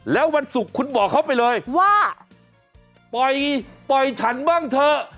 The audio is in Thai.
แล้ววันศุกร์คุณบอกเขาไปเลยว่าปล่อยฉันบ้างเถอะ